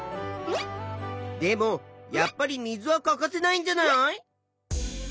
でもやっぱり水は欠かせないんじゃない？